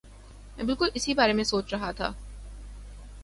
میں بالکل اسی بارے میں سوچ رہا تھا